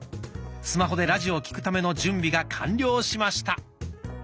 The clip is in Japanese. スマホでラジオを聴くための準備が完了しました。